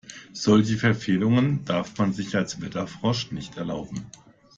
Solche Verfehlungen darf man sich als Wetterfrosch nicht erlauben.